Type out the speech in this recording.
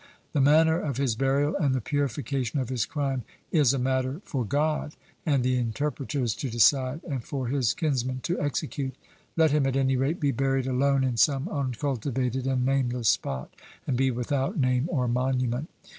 The manner of his burial and the purification of his crime is a matter for God and the interpreters to decide and for his kinsmen to execute. Let him, at any rate, be buried alone in some uncultivated and nameless spot, and be without name or monument.